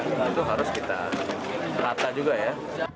nah itu harus kita rata juga ya